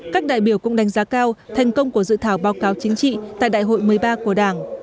các đại biểu cũng đánh giá cao thành công của dự thảo báo cáo chính trị tại đại hội một mươi ba của đảng